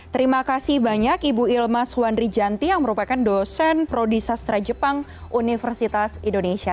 terima kasih banyak ibu ilma suwan rijanti yang merupakan dosen prodisa setera jepang universitas indonesia